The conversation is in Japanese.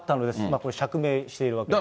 これ、釈明しているわけです。